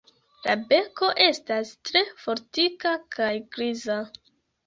La beko estas tre fortika kaj griza.